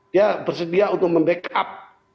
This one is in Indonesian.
dia bersedia untuk memback up